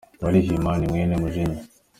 Barihima ni mwene Mujinya.